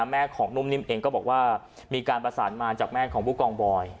แม่ของนุ่มนิ่มเองก็บอกว่ามีการประสานมาจากแม่ของผู้กองบอย